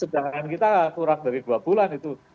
sedangkan kita kurang dari dua bulan itu